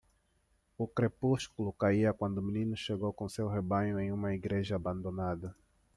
O crepúsculo caía quando o menino chegou com seu rebanho em uma igreja abandonada.